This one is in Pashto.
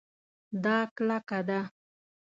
دا کلکه ده